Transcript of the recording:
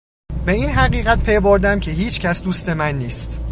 به این حقیقت پی بردم که هیچ کس دوست من نیست.